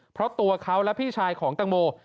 เพราะตัวเขาและพี่ชายของตังโม